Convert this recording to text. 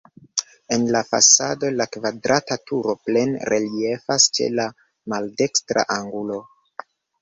En la fasado la kvadrata turo plene reliefas ĉe la maldekstra angulo.